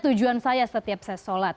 tujuan saya setiap saya sholat